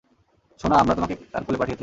সোনা, আমরা তোমাকে তার কোলে পাঠিয়েছিলাম।